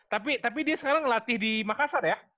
tapi tapi dia sekarang ngelatih di makassar ya